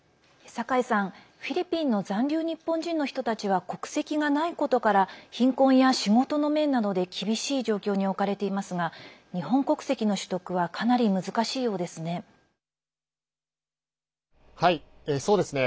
酒井さん、フィリピンの残留日本人の人たちは国籍がないことから貧困や仕事の面などで厳しい状況に置かれていますが日本国籍の取得はかなり難しいようですね。